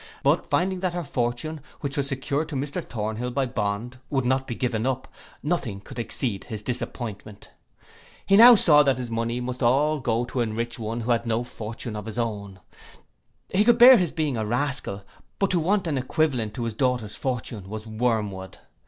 But finding that her fortune, which was secured to Mr Thornhill by bond, would not be given up, nothing could exceed his disappointment. He now saw that his money must all go to enrich one who had no fortune of his own. He could bear his being a rascal; but to want an equivalent to his daughter's fortune was wormwood.